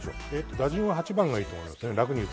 打順は８番がいいと思います。